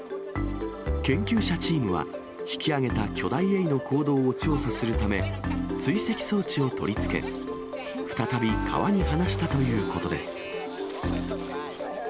研究者チームは、引き上げた巨大エイの行動を調査するため、追跡装置を取り付け、再び川に放したということです。